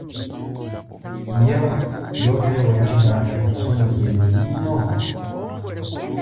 Iya yoze wandjikanga isoneko yino?